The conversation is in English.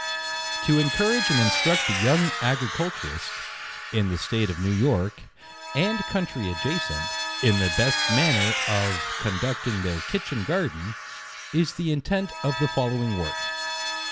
To encourage and instruct the young Agriculturist, in the state of New York, and country adjacent, in the best manner of conducting their Kitchen Garden, is the intent of the following work.